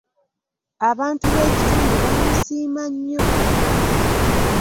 Abantu b'ekitundu baamusiima nnyo.